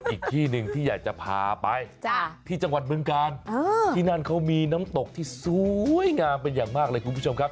อีกที่หนึ่งที่อยากจะพาไปที่จังหวัดบึงกาลที่นั่นเขามีน้ำตกที่สวยงามเป็นอย่างมากเลยคุณผู้ชมครับ